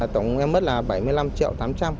tổng em mất là bảy mươi năm triệu tám trăm linh